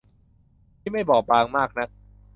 ที่ไม่บอบบางมากนัก